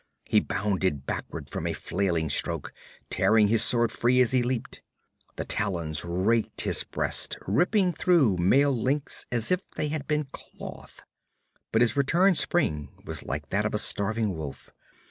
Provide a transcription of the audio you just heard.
He bounded backward from a flailing stroke, tearing his sword free as he leaped. The talons raked his breast, ripping through mail links as if they had been cloth. But his return spring was like that of a starving wolf.